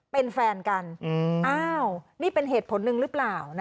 เป็นแฟนกันอ้าวนี่เป็นเหตุผลหนึ่งหรือเปล่า